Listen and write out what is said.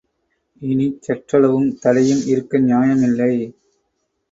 இனிச் சற்றளவு தடையும் இருக்க நியாயமில்லை.